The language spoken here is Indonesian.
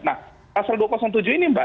nah pasal dua ratus tujuh ini mbak